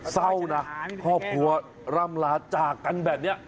เศร้านะครอบครัวร่ำลาจากกันแบบนี้